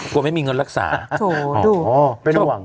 กลัวไม่มีเงินรักษาโอ้โหเป็นห่วง